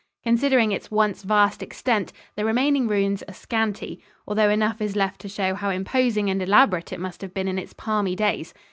Considering its once vast extent, the remaining ruins are scanty, although enough is left to show how imposing and elaborate it must have been in its palmy days.